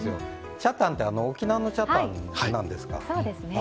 チャタンって沖縄の北谷なんですか？